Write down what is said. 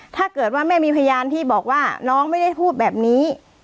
ถ้าเกิดว่าแม่มีพยานที่บอกว่าน้องไม่ได้พูดแบบนี้